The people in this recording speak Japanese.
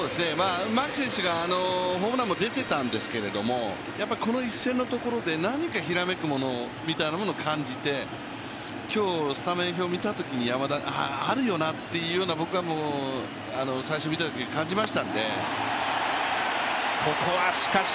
牧選手がホームランも出ていたんですけど、この一戦のところで何かひらめくみたいなものを感じて今日、スタメン表見たときに山田、あるよなって山田が空振り三振に倒れて、バッターは８番の源田です。